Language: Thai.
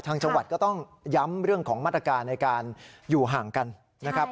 จังหวัดก็ต้องย้ำเรื่องของมาตรการในการอยู่ห่างกันนะครับ